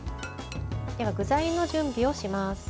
具材の準備をします。